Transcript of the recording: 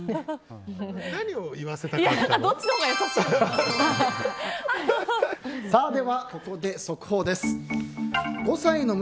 何を言わせたかったの？